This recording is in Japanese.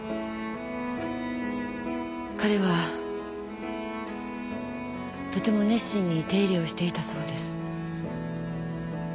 彼はとても熱心に手入れをしていたそうです。